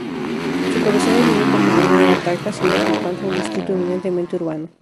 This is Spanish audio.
Su cabecera y única comuna era Talca, siendo por tanto un distrito eminentemente urbano.